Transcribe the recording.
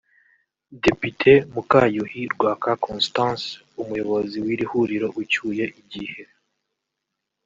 Depute Mukayuhi Rwaka Constance umuyobozi w’ iri huriro ucyuye igihe